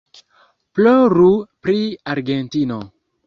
Ploru pri Argentino!